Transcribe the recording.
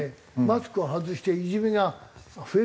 マスクを外していじめが増えるかな？